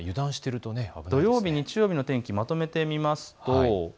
土曜日、日曜日の天気をまとめてみます。